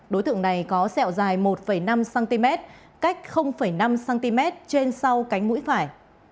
đối tượng này có sẹo dài một năm cm cách năm cm trên sau cánh mũi phải